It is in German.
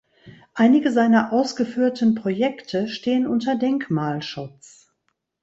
Einige seiner ausgeführten Projekte stehen unter Denkmalschutz.